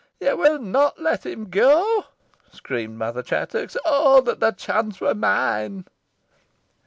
"You will not let him go!" screamed Mother Chattox. "Oh that the chance were mine!"